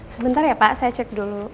sebentar ya pak saya cek dulu